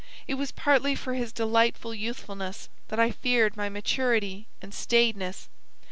It was partly for his delightful youthfulness that I feared my maturity and staidness.